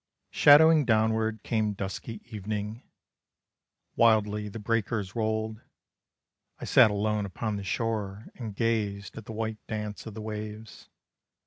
Shadowing downward came dusky evening, Wildly the breakers rolled, I sat alone upon the shore and gazed At the white dance of the waves.